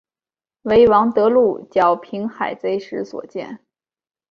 为王得禄剿平海贼时所建。